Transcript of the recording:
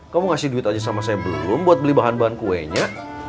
kamu ngasih duit aja sama saya belum buat beli bahan bahan kuenya